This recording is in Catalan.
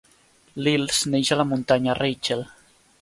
L'Ilz neix a la muntanya Rachel.